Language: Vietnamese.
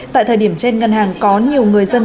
tại thời điểm trên ngân hàng có nhiều người dân